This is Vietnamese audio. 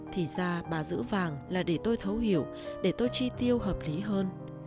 thì ra bà giữ vàng là để tôi thấu hiểu để tôi chi tiêu hợp lý hơn